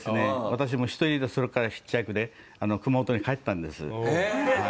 私もう１人でそれからヒッチハイクで熊本に帰ったんです。